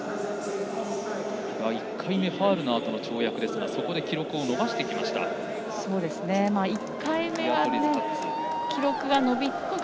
１回目ファウルのあとの跳躍ですがそこで記録を伸ばしてきました。